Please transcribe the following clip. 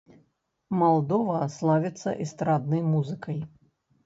Малдова славіцца эстраднай музыкай.